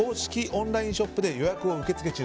オンラインショップで予約を受け付け中。